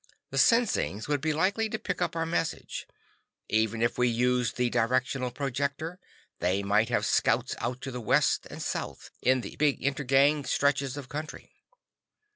The Sinsings would be likely to pick up our message. Even if we used the directional projector, they might have scouts out to the west and south in the big inter gang stretches of country.